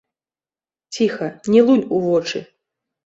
Ціха, не лунь у вочы.